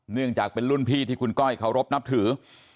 เนื่องจากเป็นรุ่นพี่ที่คุณก้อยเคารพนับถือ